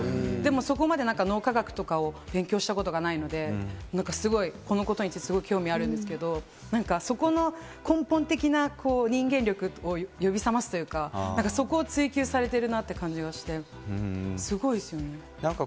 そこまで脳科学とかを勉強したことがないので、このことにすごく興味があるんですけど、そこの根本的な人間力、を呼び覚ますというか、そこを追求されているなという感じがして、すごいですよね。